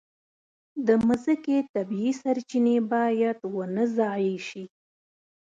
د مځکې طبیعي سرچینې باید ونه ضایع شي.